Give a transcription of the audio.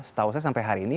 setahu saya sampai hari ini